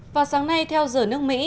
vào sáng nay theo giờ nước mỹ